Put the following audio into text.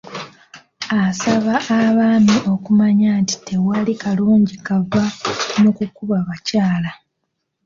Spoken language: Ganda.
Asaba abaami okumanya nti tewali kalungi kava mu kukuba bakyala.